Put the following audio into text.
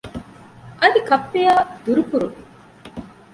އަދި ކައްޕިއާ ދުރުކުރުވި